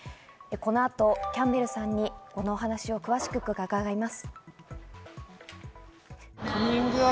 この後、キャンベルさんにこのお話を詳しく伺います。